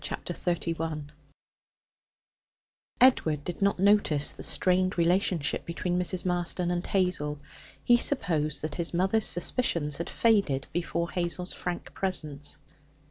Chapter 31 Edward did not notice the strained relationship between Mrs. Marston and Hazel. He supposed that his mother's suspicions had faded before Hazel's frank presence.